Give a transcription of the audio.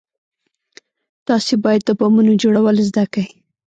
تاسې بايد د بمونو جوړول زده کئ.